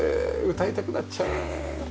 歌いたくなっちゃうね。